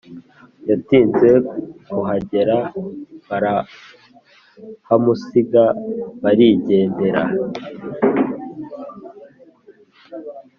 yatinze kuhagera barahamusiga barigendera